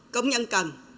công nhân cần